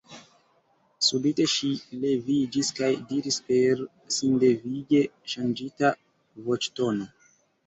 Subite ŝi leviĝis kaj diris per sindevige ŝanĝita voĉtono: